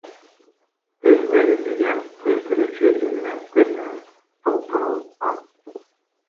Түзмөк зыян келтирүүчү элементтер менен толтурулган.